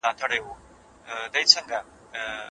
موږ خپلي مورنۍ ژبې ته ډېر درناوی لرو.